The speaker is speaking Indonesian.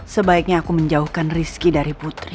sebaiknya aku menjauhkan rizki dari putri